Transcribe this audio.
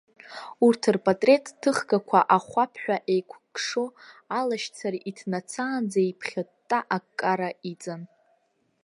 Урҭ рпатреҭҭыхгақәа ахәаԥҳәа еиқәкшо, алашьцара иҭнацаанӡа еиԥхьытта аккара иҵан.